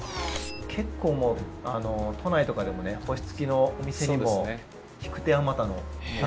結構もう都内とかでもね星つきのお店にも引く手あまたの魚屋さん。